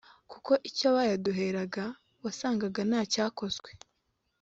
kuko icyo bayaduheraga wasangaga ntacyakozwe